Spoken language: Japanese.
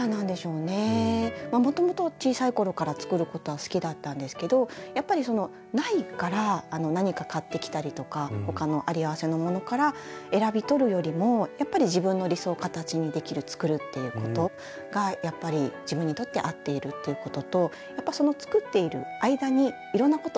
もともと小さい頃から作ることは好きだったんですけどやっぱりそのないから何か買ってきたりとか他の有り合わせのものから選び取るよりもやっぱり自分の理想を形にできる「作る」っていうことが自分にとって合っているということとやっぱ作っている間にいろんなこと発見するじゃないですか。